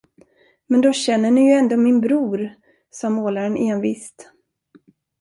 Men då känner ni ju ändå min bror, sade målaren envist.